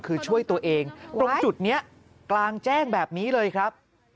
คือช่วยตัวเองตรงจุดนี้กลางแจ้งแบบนี้เลยครับ